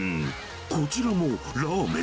こちらもラーメン。